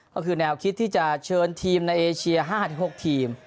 ก็คือแนวคิดที่จะเชิญทีมในเอเชีย๕๖ทีม